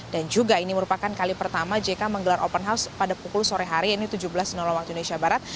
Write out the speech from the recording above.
dan juga ini merupakan kali pertama jk menggelar open house pada pukul sore hari ini tujuh belas waktu indonesia barat